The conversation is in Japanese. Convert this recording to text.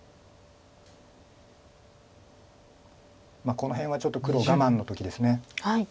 この辺はちょっと黒我慢の時です。